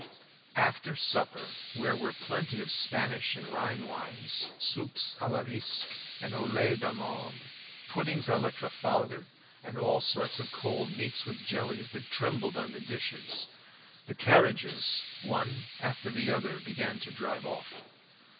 After supper, where were plenty of Spanish and Rhine wines, soups à la bisque and au lait d'amandes, puddings à la Trafalgar, and all sorts of cold meats with jellies that trembled in the dishes, the carriages one after the other began to drive off.